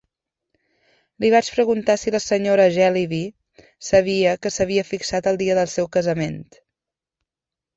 L' vaig preguntar si la Sra. Jellyby sabia que s'havia fixat el dia del seu casament.